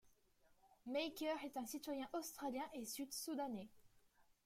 Maker est un citoyen australien et sud-soudanais.